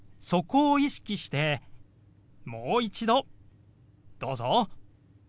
そこを意識してもう一度どうぞ。